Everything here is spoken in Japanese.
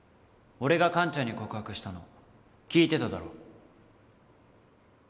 俺がカンちゃんに告白したの聞いてただろ。